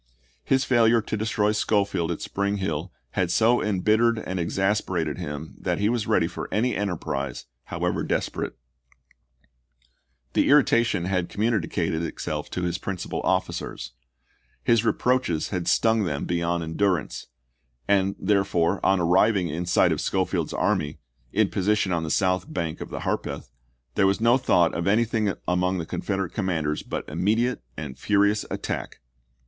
His failure to destroy Schofield at Spring Hill had so embittered and exasperated him that he was ready for any enterprise, however desperate. Vol. X.— 2 18 ABRAHAM LINCOLN chap. i. The irritation had communicated itself to his principal officers ; his reproaches had stung them beyond endurance; and, therefore, on arriving in sight of Schofield's army, in position on the south bank of the Harpeth, there was no thought of any thing among the Confederate commanders but im mediate and furious attack.